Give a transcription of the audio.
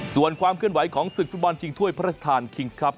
ส่วนความเคลื่อนไหวของศึกฟุตบอลชิงถ้วยพระราชทานคิงส์ครับ